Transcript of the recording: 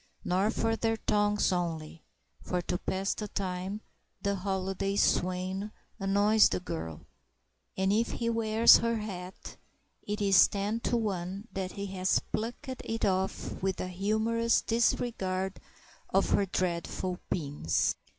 Nor from their tongues only; for, to pass the time, the holiday swain annoys the girl; and if he wears her hat, it is ten to one that he has plucked it off with a humorous disregard of her dreadful pins.